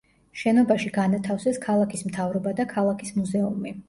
შენობაში განათავსეს ქალაქის მთავრობა და ქალაქის მუზეუმი.